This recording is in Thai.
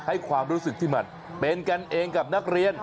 ให้ความรู้สึกที่มันเป็นกันเองกับนักเรียน